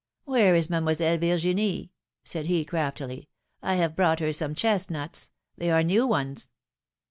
Where is Mademoiselle Virginie?" said he, craftily. have brought her some chestnuts. They are new ones